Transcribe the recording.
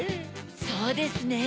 そうですね。